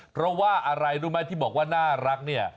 เพราะว่าอะไรรู้ไหมที่บอกว่าน่ารักเนี่ย